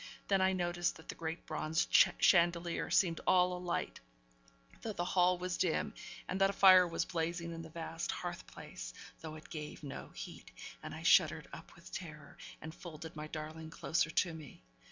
Then I noticed that the great bronze chandelier seemed all alight, though the hall was dim, and that a fire was blazing in the vast hearth place, though it gave no heat; and I shuddered up with terror, and folded my darling closer to me.